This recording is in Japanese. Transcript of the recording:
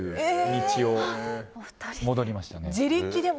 一応、戻りましたね。